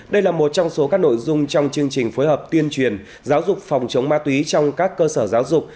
đây là một trong số các nội dung trong chương trình phối hợp tuyên truyền giáo dục phòng chống ma túy trong các cơ sở giáo dục